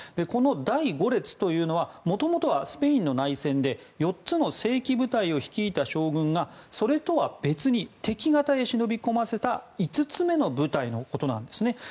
この第５列というのは元々はスペインの内戦で４つの正規部隊を率いた将軍がそれとは別に敵方へ忍び込ませた５つ目の部隊のことなんですね。